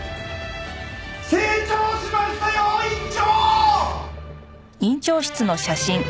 成長しましたよ院長！